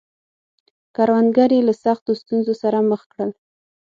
کروندګر یې له سختو ستونزو سره مخ کړل.